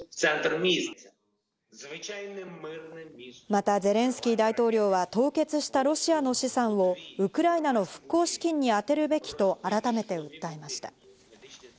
またゼレンスキー大統領は、凍結したロシアの資産をウクライナの復興資金に充てるべきと改めて訴えました。